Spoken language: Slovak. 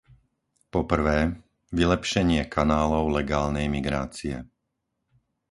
po prvé, vylepšenie kanálov legálnej migrácie;